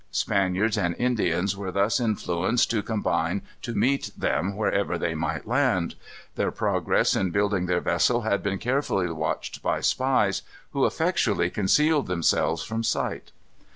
Spaniards and Indians were thus influenced to combine to meet them wherever they might land. Their progress in building their vessel had been carefully watched by spies, who effectually concealed themselves from sight.